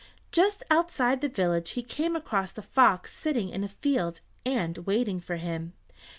Just outside the village he came across the fox sitting in a field and waiting for him.